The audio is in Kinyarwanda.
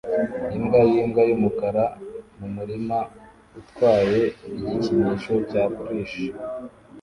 Imbwa yimbwa yumukara mumurima utwaye igikinisho cya plush